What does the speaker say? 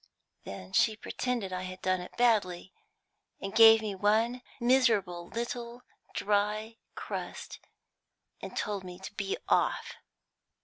Then she pretended I had done it badly, and gave me one miserable little dry crust, and told me to be off.